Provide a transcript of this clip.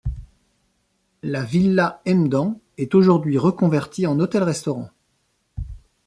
La villa Emden est aujourd'hui reconvertie en hôtel-restaurant.